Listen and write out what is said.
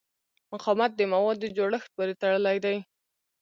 مقاومت د موادو جوړښت پورې تړلی دی.